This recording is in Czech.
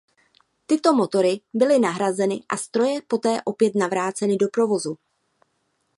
Tyto motory byly nahrazeny a stroje poté opět navráceny do provozu.